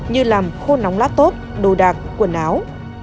như làm khô nóng lát tốt đồ đạc quần áo